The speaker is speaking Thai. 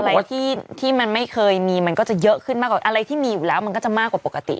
อะไรที่มันไม่เคยมีมันก็จะเยอะขึ้นมากกว่าอะไรที่มีอยู่แล้วมันก็จะมากกว่าปกติ